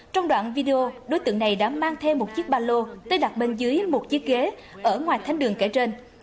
trong đoạn video đối tượng này đã mang thêm một chiếc ba lô tới đặt bên dưới một chiếc ghế ở ngoài thánh đường kể trên